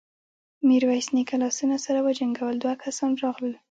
ميرويس نيکه لاسونه سره وجنګول، دوه کسان راغلل.